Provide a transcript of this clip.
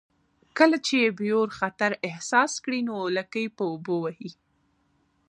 کله چې بیور خطر احساس کړي نو لکۍ په اوبو وهي